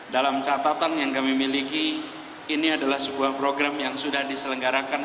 dalam catatan yang kami miliki ini adalah sebuah program yang sudah diselenggarakan